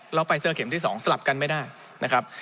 แล้วไฟเซอร์เข็มที่๒สลับกันไม่ได้นะครับ